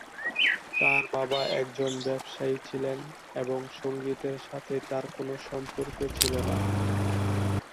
তাঁর বাবা একজন ব্যবসায়ী ছিলেন এবং সংগীতের সাথে তাঁর কোনও সম্পর্ক ছিল না।